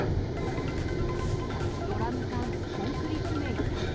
ドラム缶コンクリ詰め遺体。